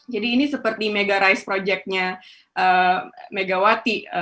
jadi ini seperti mega rice project nya megawati